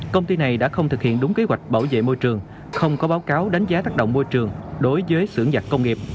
công ty này đã không thực hiện đúng kế hoạch bảo vệ môi trường không có báo cáo đánh giá tác động môi trường đối với xưởng giặc công nghiệp